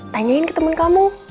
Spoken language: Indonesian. tanyain ke temen kamu